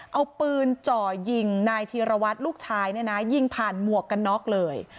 เอาปืนจ่อยิงนายธีรวัตรลูกชายเนี่ยนะยิงผ่านหมวกกันน็อกเลย